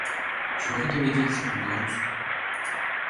Усё гэта вядзецца па-беларуску.